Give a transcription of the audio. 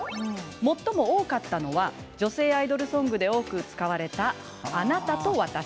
最も多かったのは女性アイドルソングで多く使われた「あなた」と「私」。